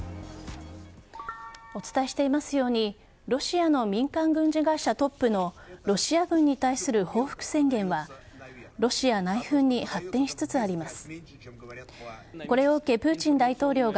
お伝えしていますようにロシアの民間軍事会社トップのロシア軍に対する報復宣言はロシア内紛に発展しつつあります。